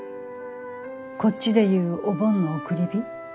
こっちで言うお盆の送り火。